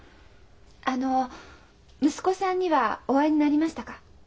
あの息子さんにはお会いになりましたか？